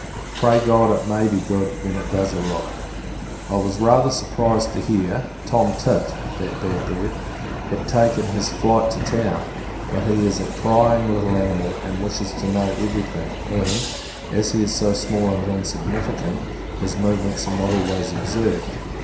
Pray God it may be good, when it does arrive. I was rather surprised to hear Tom Tit (that bad bird) had taken his flight to town: but, he is a prying little animal, and wishes to know every thing; and, as he is so small and insignificant, his movements are not always observed.